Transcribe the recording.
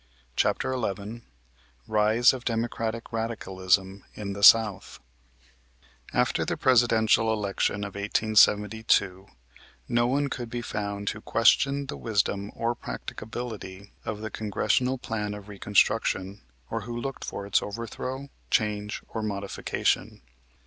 CHAPTER XI RISE OF DEMOCRATIC RADICALISM IN THE SOUTH After the Presidential election of 1872 no one could be found who questioned the wisdom or practicability of the Congressional Plan of Reconstruction, or who looked for its overthrow, change or modification.